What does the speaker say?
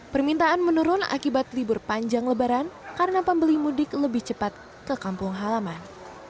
permintaan menurun akibat libur panjang lebaran karena pembeli mudik lebih cepat ke kampung halaman